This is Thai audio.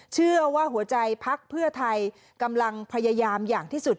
เชื่อว่าหัวใจพักเพื่อไทยกำลังพยายามอย่างที่สุด